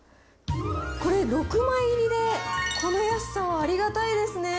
これ６枚入りでこの安さはありがたいですね。